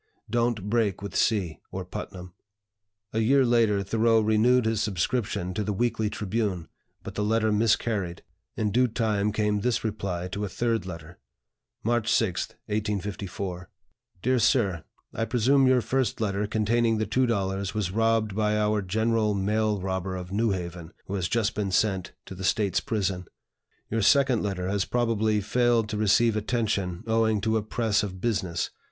Don't break with C. or Putnam." A year later, Thoreau renewed his subscription to the "Weekly Tribune," but the letter miscarried. In due time came this reply to a third letter: "March 6, 1854. "DEAR SIR, I presume your first letter containing the $2 was robbed by our general mail robber of New Haven, who has just been sent to the State's Prison. Your second letter has probably failed to receive attention owing to a press of business.